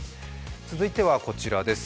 続いてはこちらです。